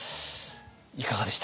いかがでしたか？